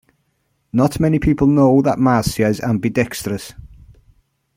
Not many people know that Marcia is ambidextrous.